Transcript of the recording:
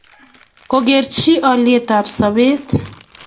Kokoreg aliyet ab sobet